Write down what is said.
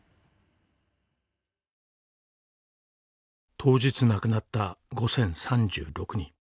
当日亡くなった５，０３６人。